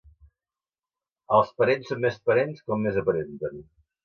Els parents són més parents com més aparenten.